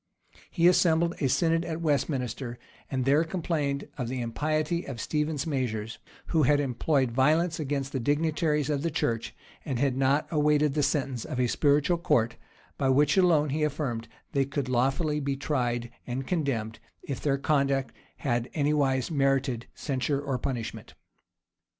He assembled a synod at Westminster, and there complained of the impiety of Stephen's measures, who had employed violence against the dignitaries of the church, and had not awaited the sentence of a spiritual court, by which alone, he affirmed, they could lawfully be tried and condemned, if their conduct had anywise merited censure or punishment.